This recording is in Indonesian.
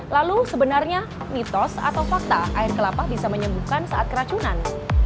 lalu sebenarnya mitos atau fakta air kelapa bisa menyembuhkan saat keracunan